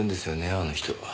あの人。